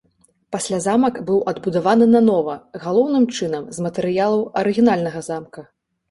Пасля замак быў адбудаваны нанова, галоўным чынам з матэрыялаў арыгінальнага замка.